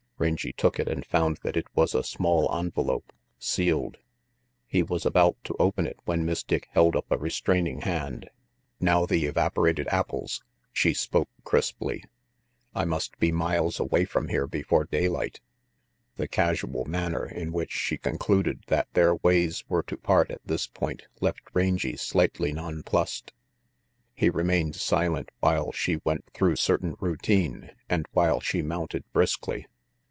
Rangy took it and found that it was a small envelope, sealed. He was about to open it when Miss Dick held up a restraining hand. 244 RANGY PETE "Now, the evaporated apples," she spoke crisply. "I must be miles away from here before daylight." The casual manner in which she concluded that their ways were to part at this point left Rangy slightly nonplussed. He remained silent while she went through certain routine and while she mounted briskly.